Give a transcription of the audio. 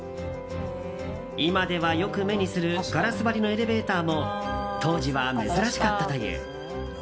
今では、よく目にするガラス張りのエレベーターも当時は珍しかったという。